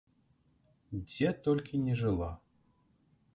Дзе толькі не жыла!